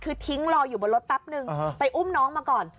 คือทิ้งรออยู่บนรถแป๊บนึงไปอุ้มน้องมาก่อน